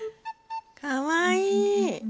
かわいい。